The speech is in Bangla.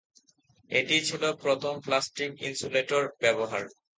এটিই ছিল প্রথম প্লাস্টিক ইন্সুলেটর ব্যবহার।